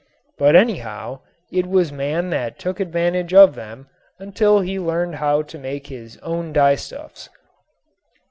But anyhow, it was man that took advantage of them until he learned how to make his own dyestuffs.